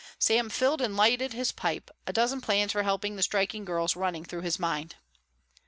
Sam filled and lighted his pipe, a dozen plans for helping the striking girls running through his mind.